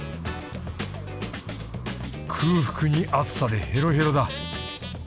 空腹に暑さでヘロヘロだ。